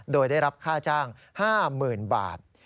โดยได้รับค่าจ้าง๕๐๐๐บาท